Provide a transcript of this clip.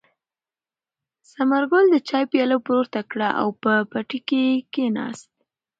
ثمرګل د چای پیاله پورته کړه او په پټي کې کېناست.